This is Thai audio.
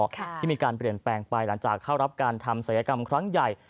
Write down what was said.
ที่มีการเปลี่ยนแปลงไปหลังจากเข้ารับการทำศัยกรรมครั้งใหญ่